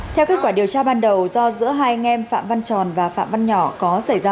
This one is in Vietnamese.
theo kết quả điều tra ban đầu do giữa hai anh em phạm văn tròn và phạm văn nhỏ có xảy ra